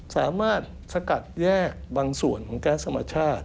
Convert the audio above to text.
สามารถสกัดแยกบางส่วนแก๊สสมาชาติ